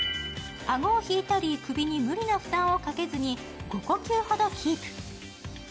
あごを引いたり、首に無理な負担をかけずに５呼吸ほどキープ。